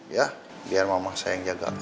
ya biar mama sayang jaga